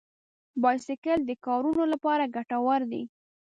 بایسکل د کارونو لپاره ګټور دی.